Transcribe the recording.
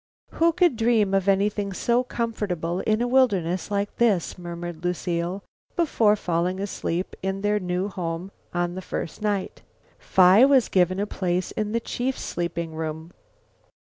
"Who could dream of anything so comfortable in a wilderness like this?" murmured Lucile before falling asleep in their new home on the first night. Phi was given a place in the chief's sleeping room.